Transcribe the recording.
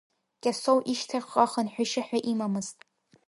Кьасоу ишьҭахьҟа хынҳәышьа ҳәа имамызт.